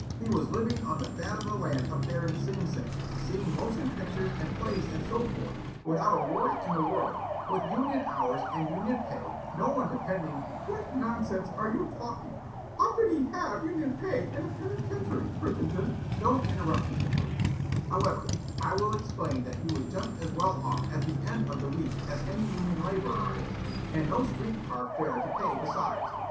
He was living on the fat of the land up there in Sing Sing, seeing motion pictures and plays and so forth, without a worry in the world, with union hours and union pay, no one depending " "What nonsense are you talking? How could he have union pay in a penitentiary, Crittenden?" "Don't interrupt me, please. However, I will explain that he was just as well off at the end of the week as any union laborer is, and no street car fare to pay besides.